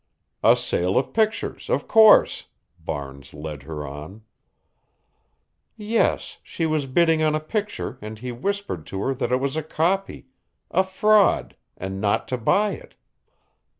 "A sale of pictures, of course," Barnes led her on. "Yes, she was bidding on a picture and he whispered to her that it was a copy a fraud, and not to buy it.